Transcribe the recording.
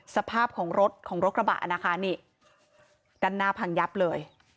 สภาพของรถของรถกระบะนะคะนี่ด้านหน้าพังยับเลย